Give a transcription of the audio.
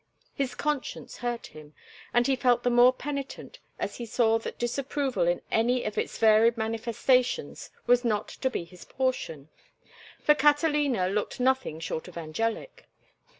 His conscience hurt him, and he felt the more penitent as he saw that disapproval in any of its varied manifestations was not to be his portion. For Catalina looked nothing short of angelic.